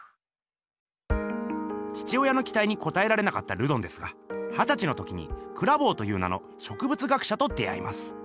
父親のきたいにこたえられなかったルドンですがはたちの時にクラヴォーという名の植物学者と出会います。